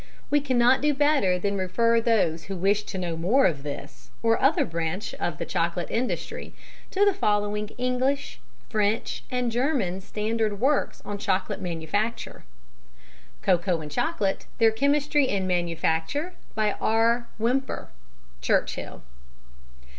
We cannot do better than refer those who wish to know more of this, or other branch of the chocolate industry, to the following English, French and German standard works on Chocolate Manufacture: Cocoa and Chocolate, Their Chemistry and Manufacture, by R. Whymper (Churchill).